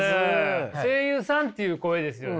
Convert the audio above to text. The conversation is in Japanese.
声優さんっていう声ですよね。